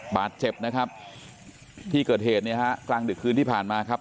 บาดเจ็บนะครับที่เกิดเหตุเนี่ยฮะกลางดึกคืนที่ผ่านมาครับ